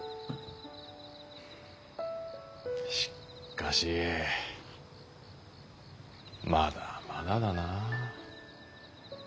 しかしまだまだだなあ。